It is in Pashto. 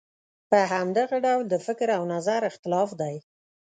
په همدغه ډول د فکر او نظر اختلاف دی.